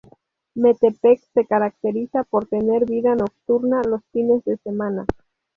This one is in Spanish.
Metepec se caracteriza por tener vida nocturna los fines de semana.